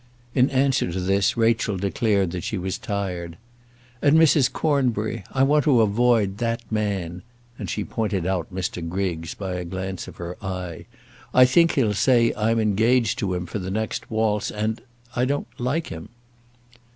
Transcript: In answer to this, Rachel declared that she was tired. "And, Mrs. Cornbury, I want to avoid that man," and she pointed out Mr. Griggs by a glance of her eye. "I think he'll say I'm engaged to him for the next waltz, and I don't like him."